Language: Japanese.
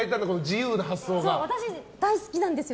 私大好きなんですよ